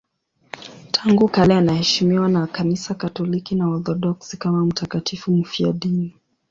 Tangu kale anaheshimiwa na Kanisa Katoliki na Waorthodoksi kama mtakatifu mfiadini.